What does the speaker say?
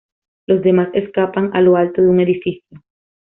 Los demás escapan a lo alto de un edificio.